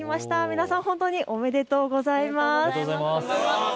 皆さん、本当におめでとうございます。